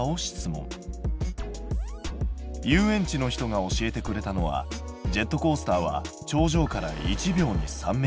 遊園地の人が教えてくれたのはジェットコースターは頂上から１秒に３ｍ。